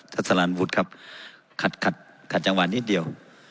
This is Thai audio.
ท่านซาลานบุตรครับขัดจังหวานนิดเดียว